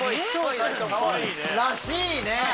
らしいね。